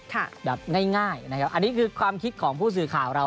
แบบง่ายง่ายนะครับอันนี้คือความคิดของผู้สื่อข่าวเรา